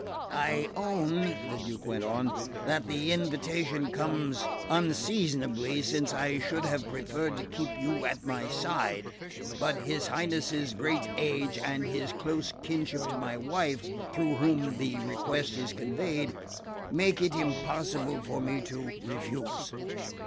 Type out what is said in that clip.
"I own," the Duke went on, "that the invitation comes unseasonably, since I should have preferred to keep you at my side; but his Highness's great age, and his close kinship to my wife, through whom the request is conveyed, make it impossible for me to refuse."